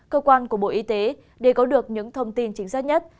cơ quan của bộ y tế để có được những thông tin chính xác nhất